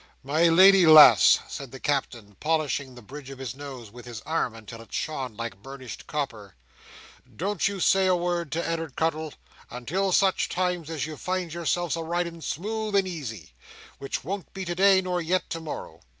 "My lady lass," said the Captain, polishing the bridge of his nose with his arm until it shone like burnished copper, "don't you say a word to Ed'ard Cuttle, until such times as you finds yourself a riding smooth and easy; which won't be today, nor yet to morrow.